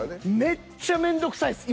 めっちゃめんどくさいです。